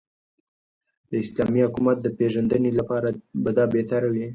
داسلامې حكومت دپيژندني لپاره به دابهتره وي